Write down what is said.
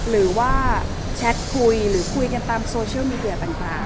หรือว่าแชตคุยหรือคุยรองตามโซเชิง๐๓